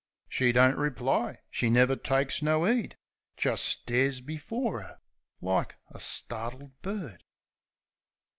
She don't reply; she never takes no 'eed; Jist stares before 'er like a startled bird.